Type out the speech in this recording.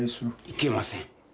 いけません。